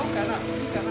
いいかな？